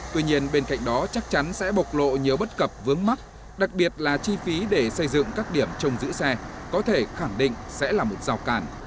tuy nhiên bên cạnh đó chắc chắn sẽ bộc lộ nhiều bất cập vướng mắt đặc biệt là chi phí để xây dựng các điểm trong giữ xe có thể khẳng định sẽ là một rào càn